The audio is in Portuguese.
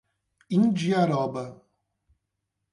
Indiaroba